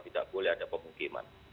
tidak boleh ada pemukiman